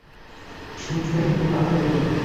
ছুঁচ হয়ে ঢোকে, ফাল হয়ে বেরোয়।